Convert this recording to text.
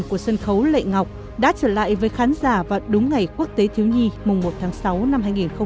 của sân khấu lệ ngọc đã trở lại với khán giả và đúng ngày quốc tế thiếu nhi mùng một tháng sáu năm hai nghìn hai mươi